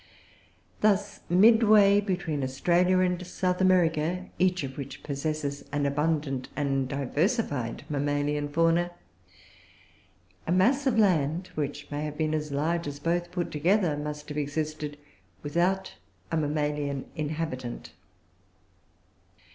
Thus, midway between Australia and South America, each of which possesses an abundant and diversified mammalian fauna, a mass of land, which may have been as large as both put together, must have existed without a mammalian inhabitant.